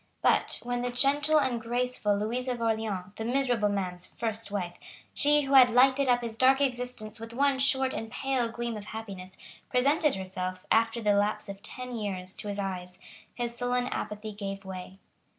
But, when the gentle and graceful Louisa of Orleans, the miserable man's first wife, she who had lighted up his dark existence with one short and pale gleam of happiness, presented herself, after the lapse of ten years, to his eyes, his sullen apathy gave way.